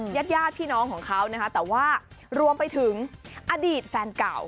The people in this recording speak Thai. ยาดพี่น้องของเขานะครับแต่ว่ารวมไปถึงอดีตแฟนเก่า